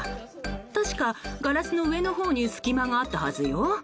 確か、ガラスの上のほうに隙間があったはずよ。